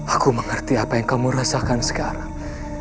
aku mengerti apa yang kamu rasakan sekarang